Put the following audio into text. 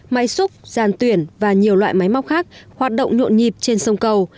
máy xúc giàn tuyển và nhiều loại máy móc khác hoạt động nhộn nhịp trên sông cầu